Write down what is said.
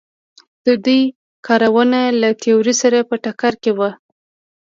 د دوی کارونه له تیورۍ سره په ټکر کې وو.